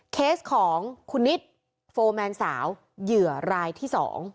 เคสของคุณนิดโฟร์แมนสาวเหยื่อรายที่๒